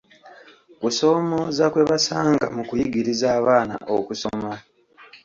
kusoomooza kwe basanga mu kuyigiriza abaana okusoma.